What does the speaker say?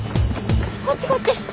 こっちこっち。